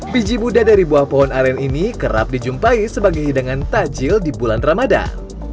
biji buddha dari buah pohon aren ini kerap dijumpai sebagai hidangan tajil di bulan ramadan